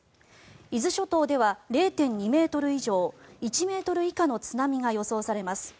伊豆諸島では０．２ｍ以上１ｍ以下の津波が予想されます。